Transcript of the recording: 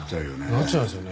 なっちゃいますよね。